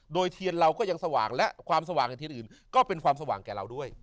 โดยเทียนเราก็ยังสว่างและความสว่างอย่างเทียนอื่นก็เป็นความสว่างแก่เราด้วย